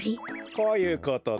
こういうことだ。